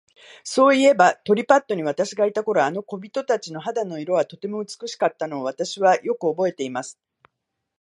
そういえば、リリパットに私がいた頃、あの小人たちの肌の色は、とても美しかったのを、私はよくおぼえています。